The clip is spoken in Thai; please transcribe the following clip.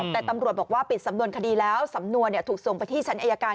แต่ตำรวจบอกว่าปิดสำนวนคดีแล้วสำนวนถูกส่งไปที่ชั้นอายการ